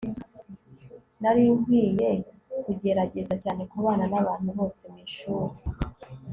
nari nkwiye kugerageza cyane kubana nabantu bose mwishuri